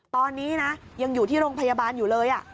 ตอนนี้นะยังอยู่ที่โรงพยาบาลอยู่เลย